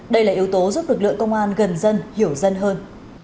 đây là yếu tố giúp lực lượng công an gần dân hiểu dân hơn